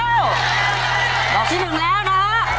ดอกที่๑แล้วนะฮะ